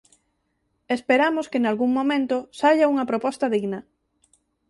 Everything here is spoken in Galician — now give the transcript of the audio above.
Esperamos que nalgún momento saia unha proposta digna.